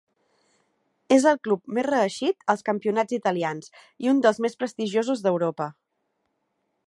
És el club més reeixit als campionats italians i un dels més prestigiosos d'Europa.